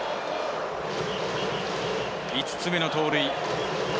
５つ目の盗塁。